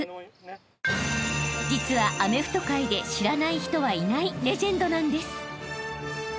［実はアメフト界で知らない人はいないレジェンドなんです］